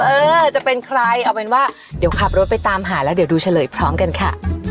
เออจะเป็นใครเอาเป็นว่าเดี๋ยวขับรถไปตามหาแล้วเดี๋ยวดูเฉลยพร้อมกันค่ะ